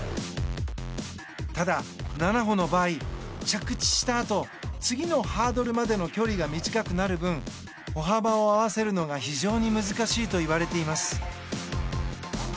ただ、７歩の場合着地したあと次のハードルまでの距離が短くなる分歩幅を合わせるのが非常に難しいと言われています。